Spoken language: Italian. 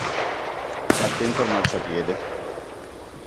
Attento al marciapiede!